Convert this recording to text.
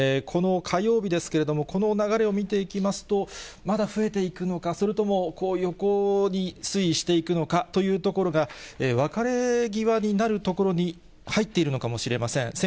この火曜日ですけれども、この流れを見ていきますと、まだ増えていくのか、それとも横に推移していくのかというところが、別れ際になるところに入っているのかもしれません。